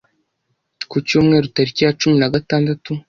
Ku Cyumweru tariki ya cumi nagatandatu